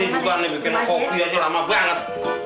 ini juga nih bikin kopi aja lama banget